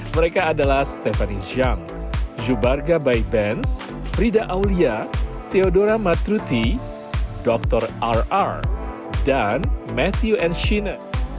mereka adalah stephanie zhang zubarga baibenz prida aulia theodora matruti dr rr dan matthew n schiene